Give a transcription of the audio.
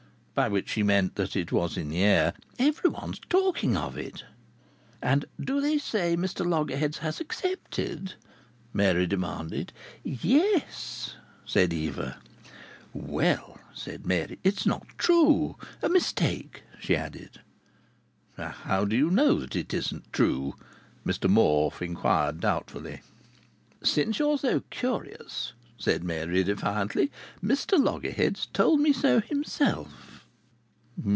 (By which she meant that it was in the air.) "Everyone's talking of it." "And do they say Mr Loggerheads has accepted?" Mary demanded. "Yes," said Eva. "Well," said Mary, "it's not true!... A mistake!" she added. "How do you know it isn't true?" Mr Morfe inquired doubtfully. "Since you're so curious," said Mary, defiantly, "Mr Loggerheads told me himself."